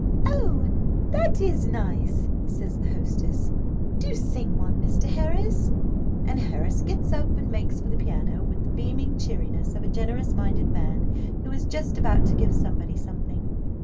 "Oh, that is nice," says the hostess. "Do sing one, Mr. Harris;" and Harris gets up, and makes for the piano, with the beaming cheeriness of a generous minded man who is just about to give somebody something.